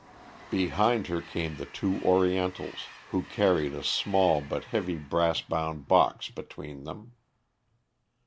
Behind her came the two Orientals, who carried a small but heavy brass bound box between them.